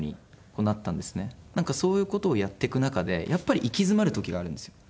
なんかそういう事をやっていく中でやっぱり行き詰まる時があるんですよ。